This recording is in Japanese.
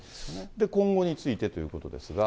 今後についてということですが。